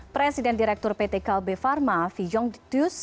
presiden direktur pt kalbe pharma fijong dityus